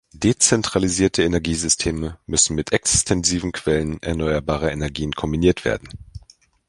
Dezentralisierte Energiesysteme müssen mit extensiven Quellen erneuerbarer Energien kombiniert werden.